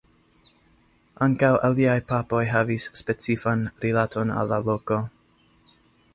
Ankaŭ aliaj papoj havis specifan rilaton al la loko.